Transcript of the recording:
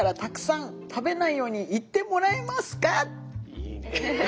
いいね。